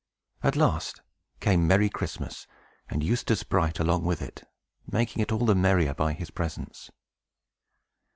At last came merry Christmas, and Eustace Bright along with it, making it all the merrier by his presence.